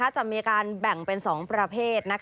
จะมีการแบ่งเป็น๒ประเภท